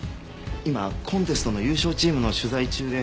今コンテストの優勝チームの取材中で。